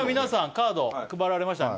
カード配られましたね